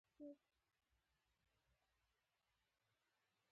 خپلوانو د پاچا د دې بخشش په وړاندې مسؤلیت درلود.